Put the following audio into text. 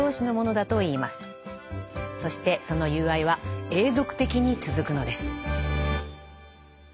そしてその友愛は永続的に続くのです。